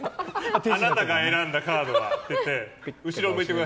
あなたが選んだカードは。って言ってうわ！